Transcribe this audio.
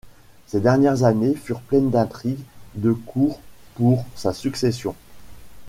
Ses dernières années furent pleines d'intrigues de cour pour sa succession.